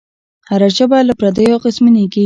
هره ژبه له پردیو اغېزمنېږي.